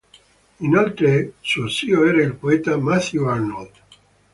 Inoltre suo zio era il poeta Matthew Arnold.